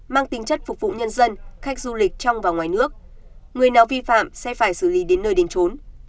mang tính chất phục vụ nhân dân khách du lịch trong và ngoài nước người nào vi phạm sẽ phải xử lý đến nơi đến trốn